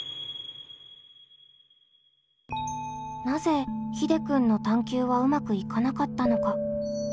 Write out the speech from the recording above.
なぜひでくんの探究はうまくいかなかったのか？